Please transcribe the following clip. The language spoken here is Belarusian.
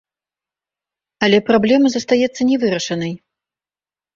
Але праблема застаецца нявырашанай.